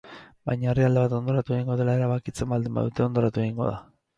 Baina herrialde bat hondoratu egingo dela erabakitzen baldin badute, hondoratu egingo da.